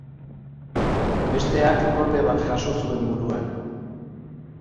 Besteak kolpe bat jaso zuen buruan.